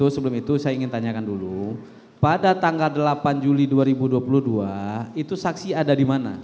sebelum itu saya ingin tanyakan dulu pada tanggal delapan juli dua ribu dua puluh dua itu saksi ada di mana